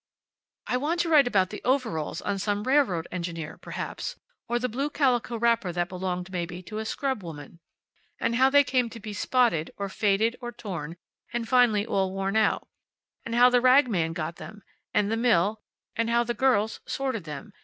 "I want to write about the overalls on some railroad engineer, perhaps; or the blue calico wrapper that belonged, maybe, to a scrub woman. And how they came to be spotted, or faded, or torn, and finally all worn out. And how the rag man got them, and the mill, and how the girls sorted them.